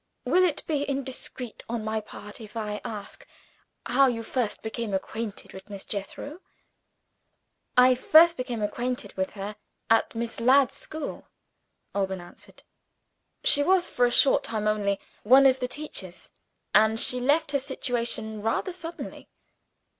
"Will it be indiscreet, on my part, if I ask how you first became acquainted with Miss Jethro?" "I first became acquainted with her at Miss Ladd's school," Alban answered. "She was, for a short time only, one of the teachers; and she left her situation rather suddenly."